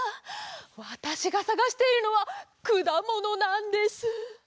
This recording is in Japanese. わたしがさがしているのはくだものなんです。